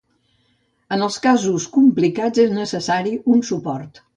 En els casos complicats és necessari un suport.